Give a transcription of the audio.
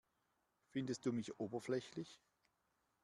Findest du mich oberflächlich?